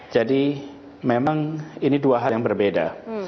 jadi memang ini dua hal yang berbeda